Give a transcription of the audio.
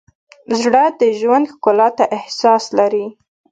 زړه د ژوند ښکلا ته احساس لري.